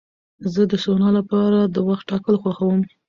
زه د سونا لپاره د وخت ټاکل خوښوم.